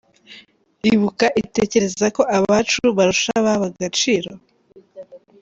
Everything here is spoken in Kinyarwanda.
Ibuka itekerezako “abacu” barusha ” ababo” agaciro?